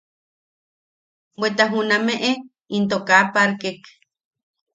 Bweta junameʼe into kaa parkek.